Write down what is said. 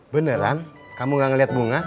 beneran kamu gak ngeliat bunga